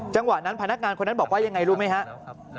จังหวะนั้นพนักงานคนนั้นบอกว่ายังไงรู้ไหมครับ